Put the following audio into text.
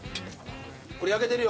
これ焼けてるよ